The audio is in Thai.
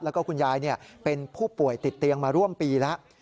แล้วก็คุณยายเป็นผู้ป่วยติดเตียงมาร่วมปีแล้ว